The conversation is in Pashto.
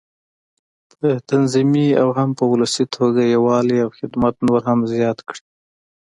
په تنظيمي او هم په ولسي توګه یووالی او خدمت نور هم زیات کړي.